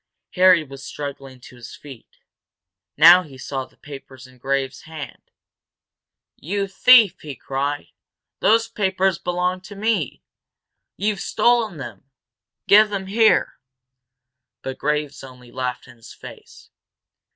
Harry was struggling to his feet. Now he saw the papers in Graves' hand. "You thief!" he cried. "Those papers belong to me! You've stolen them! Give them here!" But Graves only laughed in his face.